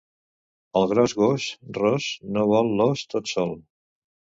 El gros gos ros no vol l’os tot sol.